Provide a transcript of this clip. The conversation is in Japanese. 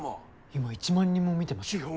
今１万人も見てますよ。